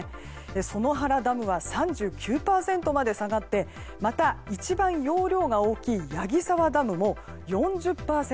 薗原ダムは３９％まで下がってまた、一番容量が大きい矢木沢ダムも４０％。